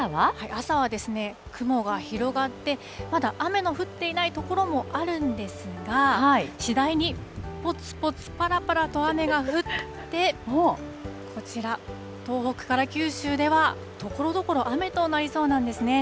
朝はですね、雲が広がって、まだ雨の降っていない所もあるんですが、次第に、ぽつぽつぱらぱらと雨が降って、こちら、東北から九州ではところどころ雨となりそうなんですね。